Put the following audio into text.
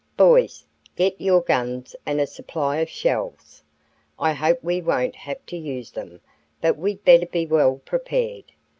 "Boys, get your guns and a supply of shells. I hope we won't have to use them, but we'd better be well prepared.